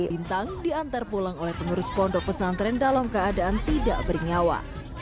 bintang diantar pulang oleh pengurus pondok pesantren dalam keadaan tidak bernyawa